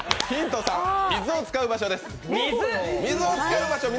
ヒント、水を使う場所です。